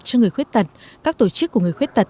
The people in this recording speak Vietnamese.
cho người khuyết tật các tổ chức của người khuyết tật